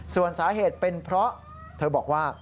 ส่วนสาเหตุเป็นเพราะเธอบอกว่า